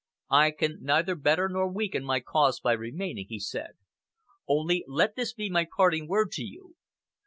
"I can neither better nor weaken my cause by remaining," he said. "Only let this be my parting word to you.